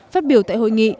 phát biểu tại hội nghị